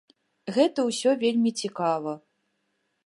Гэта ўсё вельмі цікава.